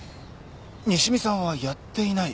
西見さんはやっていない。